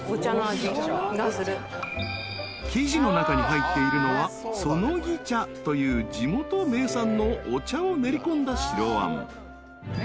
［生地の中に入っているのはそのぎ茶という地元名産のお茶を練り込んだ白あん］